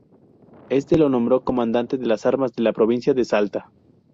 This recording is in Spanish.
Éste lo nombró comandante de armas de la provincia de Salta.